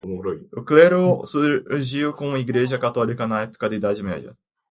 O clero surgiu com a Igreja Católica, na época da Idade Média.